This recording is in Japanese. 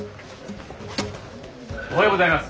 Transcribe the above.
おはようございます。